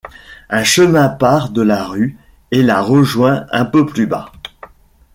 Un chemin part de la rue et la rejoint un peu plus bas.